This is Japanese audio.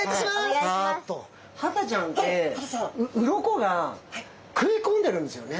ハタちゃんってうろこが食い込んでるんですよね。